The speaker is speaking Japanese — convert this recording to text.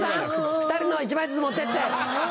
２人のを１枚ずつ持ってって。